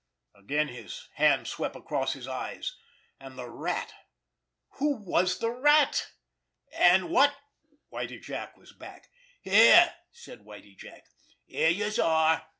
Again his hand swept across his eyes. And the Rat—who was the Rat? And what—— Whitie Jack was back. "Here!" said Whitie Jack. "Here youse are!"